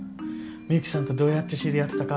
ミユキさんとどうやって知り合ったか。